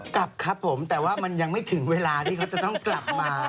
กลับครับผมแต่ว่ามันยังไม่ถึงเวลาที่เขาจะต้องกลับมา